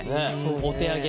お手上げ。